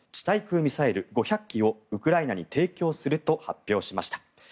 対空ミサイル５００基をウクライナに提供すると発表しました。